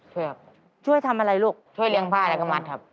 ช่วยครับครับช่วยทำอะไรลูกช่วยเลี้ยงผ้าและมัดครับ